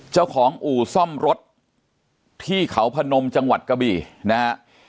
เจ้าของอู่ซ่อมรถที่เขาพนมจังหวัดกะบี่นะฮะ